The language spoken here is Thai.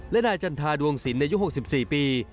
และนายจันทาดวงสินอายุ๖๔ปี